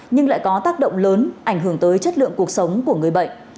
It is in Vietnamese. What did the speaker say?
nhưng lại có tác động lớn ảnh hưởng tới chất lượng cuộc sống của người bệnh